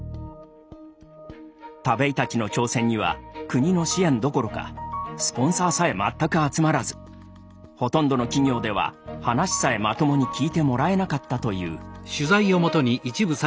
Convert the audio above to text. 田部井たちの挑戦には国の支援どころかスポンサーさえ全く集まらずほとんどの企業では話さえまともに聞いてもらえなかったという。